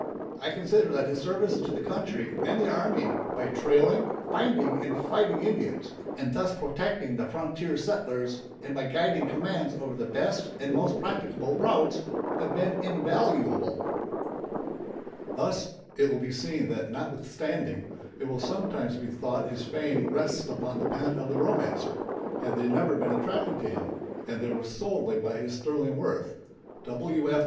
I consider that his services to the country and the army by trailing, finding, and fighting Indians, and thus protecting the frontier settlers, and by guiding commands over the best and most practicable routes, have been invaluable." [Illustration: DANGER AHEAD.] Thus it will be seen that notwithstanding it will sometimes be thought his fame rests upon the pen of the romancer, had they never been attracted to him and they were solely by his sterling worth W. F.